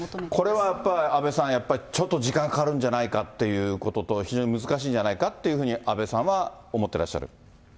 これはやっぱり、阿部さん、やっぱりちょっと時間かかるんじゃないかっていうことと、非常に難しいんじゃないかっていうふうに阿部さんは思ってらっしゃる。